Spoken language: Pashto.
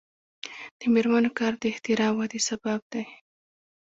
د میرمنو کار د اختراع ودې سبب دی.